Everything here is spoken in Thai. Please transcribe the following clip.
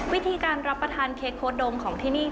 วิธีการรับประทานเค้กโค้ดงของที่นี่